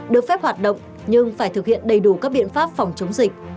được phép hoạt động nhưng phải thực hiện đầy đủ các biện pháp phòng chống dịch